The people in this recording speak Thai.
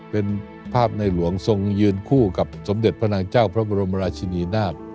เป็นภาพในหลวงทรงยืนคู่กับสมเด็จพระนางเจ้าพระบรมราชินีนาฏ